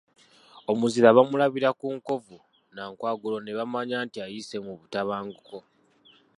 Omuzira bamulabira ku nkovu na nkwagulo ne bamanya nti ayise mu butabanguko.